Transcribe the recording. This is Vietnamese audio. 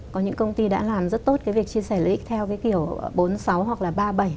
có những công ty đã làm rất tốt cái việc chia sẻ lợi ích theo cái kiểu bốn mươi sáu hoặc là ba mươi bảy